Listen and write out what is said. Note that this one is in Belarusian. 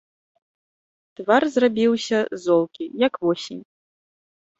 Твар зрабіўся золкі, як восень.